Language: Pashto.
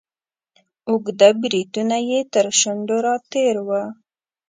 اوږده بریتونه یې تر شونډو را تیر وه.